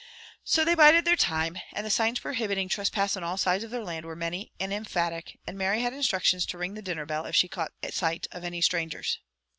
So they bided their time, and the signs prohibiting trespass on all sides of their land were many and emphatic, and Mary had instructions to ring the dinner bell if she caught sight of any strangers.